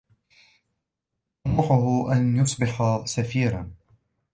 طموحه أن يصبح سفيرا.